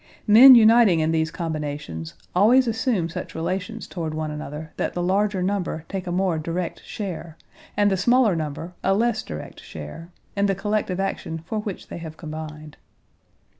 Men uniting in these combinations always assume such relations toward one another that the larger number take a more direct share, and the smaller number a less direct share, in the collective action for which they have combined.